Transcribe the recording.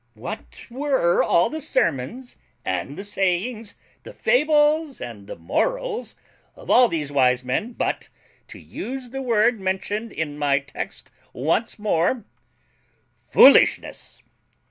What were all the sermons and the savings, the fables and the morals of all these wise men, but, to use the word mentioned in my text once more, FOOLISHNESS?